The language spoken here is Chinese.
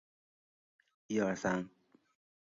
属湖南省。